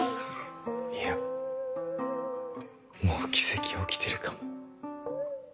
いやもう奇跡起きてるかも。